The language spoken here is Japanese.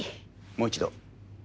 もう一度。